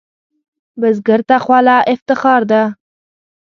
بزګر ته خوله افتخار ده